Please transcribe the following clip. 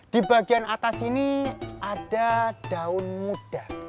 di bagian atas ini ada daun muda